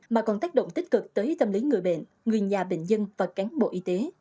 mà còn tác động tích cực tới tâm lý người bệnh người nhà bệnh dân và cán bộ y tế